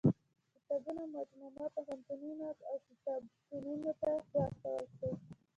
د کتابونو مجموعه پوهنتونونو او کتابتونو ته واستول شوه.